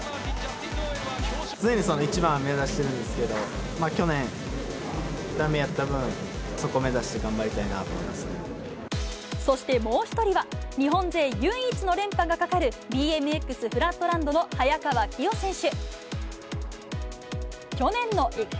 常に一番を目指してるんですけれども、去年だめやった分、そこ目指して頑張りたいなと思いそして、もう１人は、日本勢唯一の連覇がかかる、ＢＭＸフラットランドの早川起生選手。